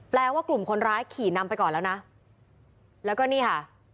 ว่ากลุ่มคนร้ายขี่นำไปก่อนแล้วนะแล้วก็นี่ค่ะ